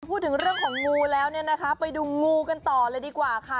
พูดถึงเรื่องของงูแล้วเนี่ยนะคะไปดูงูกันต่อเลยดีกว่าค่ะ